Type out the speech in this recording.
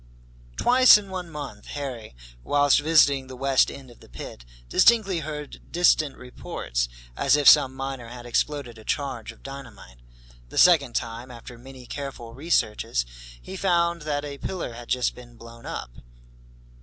Twice in one month, Harry, whilst visiting the west end of the pit, distinctly heard distant reports, as if some miner had exploded a charge of dynamite. The second time, after many careful researches, he found that a pillar had just been blown up.